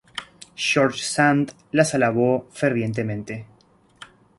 George Sand las alabó fervientemente.